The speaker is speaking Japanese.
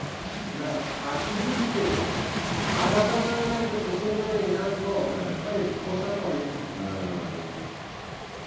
だから、町づくりって、赤ちゃんが産まれて年寄りまでいないと、やっぱり復興したとはいえない。